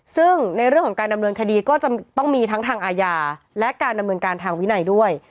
ซึ่งในเรื่องของการดำเนินคดีก็จะต้องมีทั้งทางอาญาและการดำเนินการทางวินัยด้วย